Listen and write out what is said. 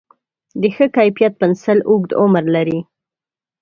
د ښه کیفیت پنسل اوږد عمر لري.